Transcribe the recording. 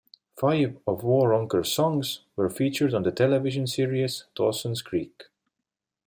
Five of Waronker's songs were featured on the television series Dawson's Creek.